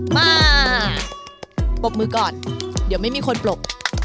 มาปรบมือก่อนเดี๋ยวไม่มีคนปลก